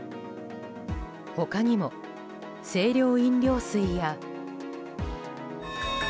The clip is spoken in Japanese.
他にも、清涼飲料水や。